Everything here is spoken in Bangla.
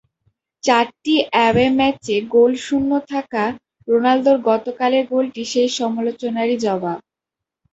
চারটি অ্যাওয়ে ম্যাচে গোলশূন্য থাকা রোনালদোর গতকালের গোলটি সেই সমালোচনারই জবাব।